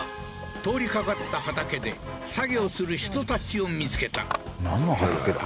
通りかかった畑で作業する人たちを見つけたなんの畑だ？